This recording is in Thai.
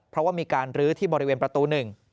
เพราะว่ามีการลื้อที่บริเวณประตู๑